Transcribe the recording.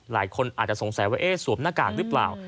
หลายคนอาจจะสงสัยว่าสวมหน้ากากหรือเปล่า